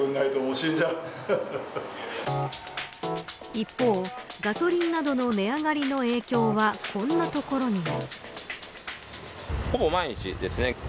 一方、ガソリンなどの値上げの影響はこんなところにも。